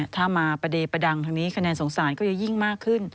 ถ้ามาประเดประดังทางนี้คะแนนสงสารก็จะยิ่งมากขึ้น